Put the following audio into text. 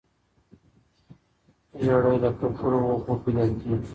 زیړی له ککړو اوبو پیدا کیږي.